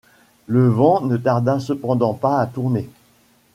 Le vent ne tarda cependant pas à tourner.